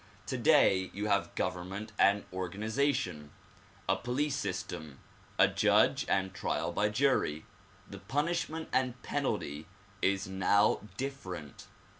Today you have government and organization, a police system, a judge and trial by jury. The punishment and penalty is now different.